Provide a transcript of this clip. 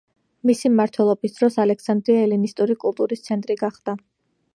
მისი მმართველობის დროს ალექსანდრია ელინისტური კულტურის ცენტრი გახდა.